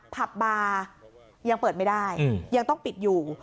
ผับบาร์ยังเปิดไม่ได้ยังต้องปิดอยู่